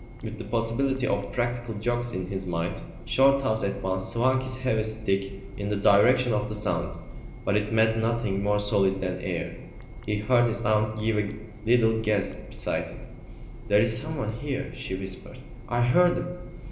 With the possibility of practical jokes in his mind, Shorthouse at once swung his heavy stick in the direction of the sound; but it met nothing more solid than air. He heard his aunt give a little gasp beside him. "There's someone here," she whispered; "I heard him."